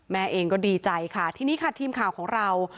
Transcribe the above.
แม่เองก็ดีใจค่ะทีนี้ค่ะทีมข่าวของเรา